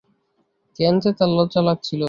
কেন যে তাঁর লজ্জা লাগছিল!